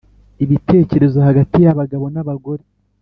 ibitekerezo hagati y abagabo n abagore